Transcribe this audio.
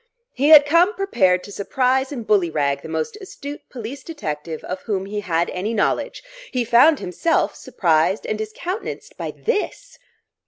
He had come prepared to surprise and bully rag the most astute police detective of whom he had any knowledge; he found himself surprised and discountenanced by this...!